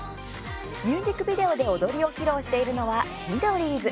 ミュージックビデオで踊りを披露しているのはミドリーズ。